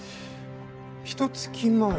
ひと月前。